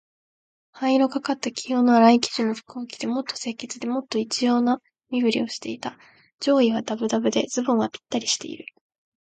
灰色がかった黄色のあらい生地の服を着て、もっと清潔で、もっと一様な身なりをしていた。上衣はだぶだぶで、ズボンはぴったりしている。